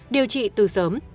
điều trị từ sớm